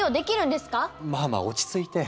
まあまあ落ち着いて。